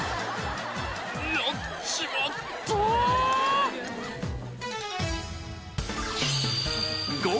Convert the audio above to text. やっちまったー。